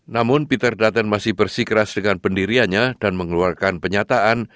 namun peter dutton masih bersikeras dengan pendiriannya dan mengeluarkan pernyataan